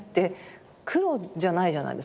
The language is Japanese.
黒じゃないじゃないですか。